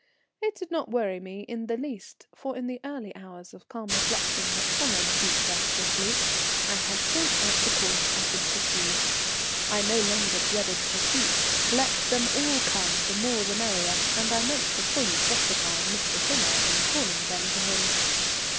It did not worry me in the least, for in the early hours of calm reflection that followed deep, restful sleep, I had thought out the course I should pursue. I no longer dreaded pursuit; let them all come, the more the merrier, and I meant to fully justify Mr. Tiler in calling them to him.